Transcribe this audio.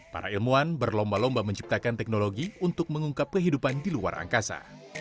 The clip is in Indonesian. para ilmuwan berlomba lomba menciptakan teknologi untuk mengungkap kehidupan di luar angkasa